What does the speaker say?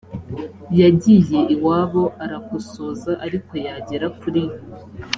yagiye iwabo arakosoza ariko yagera kuri